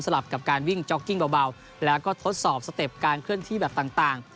กับการวิ่งจ๊อกกิ้งเบาแล้วก็ทดสอบสเต็ปการเคลื่อนที่แบบต่าง